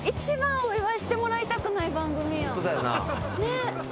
ホントだよな。